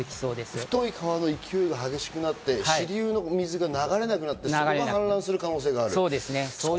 太い川の勢いが強くなって支流の川の水が流れなくなって、そこが氾濫する恐れがある。